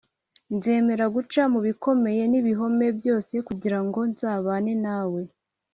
nzemera guca mu bikomeye n’ibihome byose kugira ngo nzabane nawe